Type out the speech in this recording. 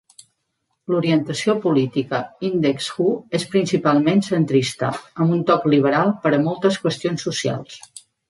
L"orientació política Index.hu és principalment centrista, amb un toc liberal per a moltes qüestions socials.